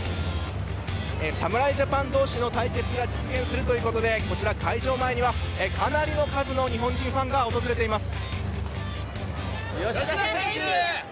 侍ジャパン同士の対決が実現するということでこちら、会場前にはかなりの数の日本人ファンが訪れています。